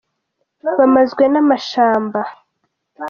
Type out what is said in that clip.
Bamazwe n’amashamba